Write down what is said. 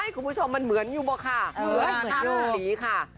คุณผู้ชมมันเหมือนอยู่บ้างค่ะ